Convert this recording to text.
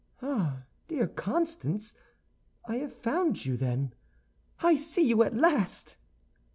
Ah, dear Constance, I have found you, then; I see you at last!"